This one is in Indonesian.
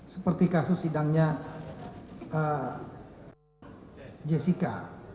seperti kasus sidangnya jessica